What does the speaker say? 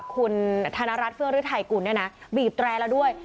คุณธนรัฐเฟื่องฤทัยกุลเนี่ยนะบีบแตรแล้วด้วย